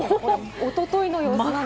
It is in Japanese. おとといの様子です。